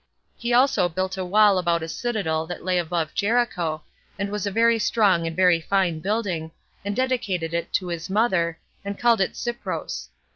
He also built a wall about a citadel that lay above Jericho, and was a very strong and very fine building, and dedicated it to his mother, and called it Cypros.